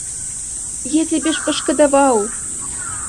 Я цябе ж пашкадаваў.